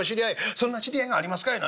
「そんな知り合いがありますかいな」。